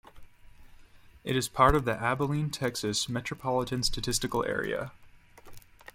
It is part of the Abilene, Texas Metropolitan Statistical Area.